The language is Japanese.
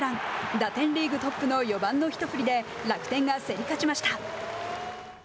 打点リーグトップの４番の一振りで楽天が競り勝ちました。